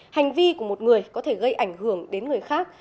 hành vi của một người có thể gây ảnh hưởng đến người khác